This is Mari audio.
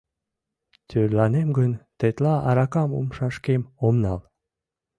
Тӧрланем гын, тетла аракам умшашкем ом нал.